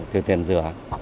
thì tuyển rửa